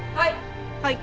はい。